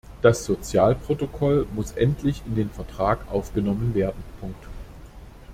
Das Sozialprotokoll muss endlich in den Vertrag aufgenommen werden.